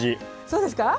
そうですか？